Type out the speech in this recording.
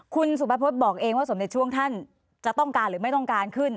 คุณสุภพฤษบอกเองว่าสมเด็จช่วงท่านจะต้องการหรือไม่ต้องการขึ้น